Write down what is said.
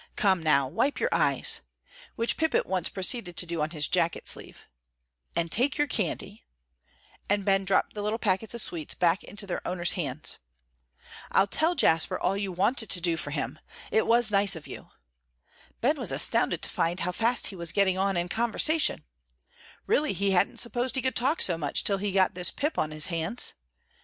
"Come, now, wipe your eyes," which Pip at once proceeded to do on his jacket sleeve, "and take your candy," and Ben dropped the little packets of sweets back into their owner's hands. "I'll tell Jasper all you wanted to do for him; it was nice of you." Ben was astounded to find how fast he was getting on in conversation. Really he hadn't supposed he could talk so much till he got this Pip on his hands.